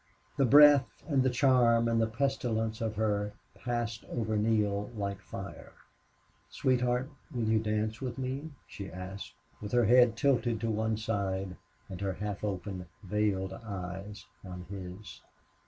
The breath and the charm and the pestilence of her passed over Neale like fire. "Sweetheart, will you dance with me?" she asked, with her head tilted to one side and her half open veiled eyes on his.